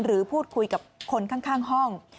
หรือพูดคุยกับคนข้างห้อง